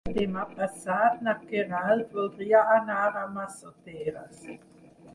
Demà passat na Queralt voldria anar a Massoteres.